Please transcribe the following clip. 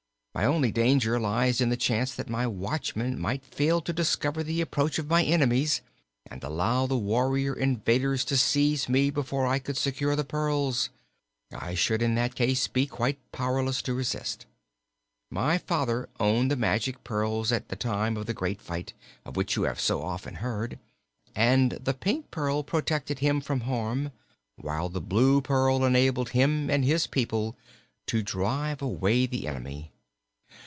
My only danger lies in the chance that my watchmen might fail to discover the approach of our enemies and allow the warrior invaders to seize me before I could secure the pearls. I should, in that case, be quite powerless to resist. My father owned the magic pearls at the time of the Great Fight, of which you have so often heard, and the pink pearl protected him from harm, while the blue pearl enabled him and his people to drive away the enemy.